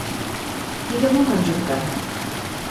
Тидӹ мам анжыкта?